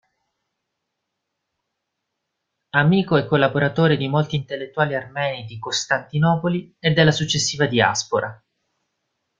Amico e collaboratore di molti intellettuali armeni di Costantinopoli e della successiva diaspora.